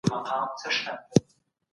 رسالت انسان ته ډیر لوی تفوق بخښلی دی.